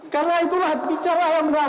karena itulah bicara yang benar